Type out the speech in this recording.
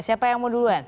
siapa yang mau duluan